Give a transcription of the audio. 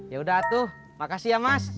yaudah atuh makasih ya mas